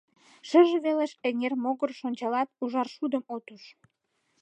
Шыже велеш эҥер могырыш ончалат — ужар шудым от уж.